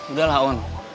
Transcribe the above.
udah lah on